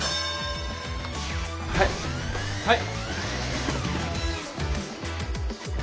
はいはい。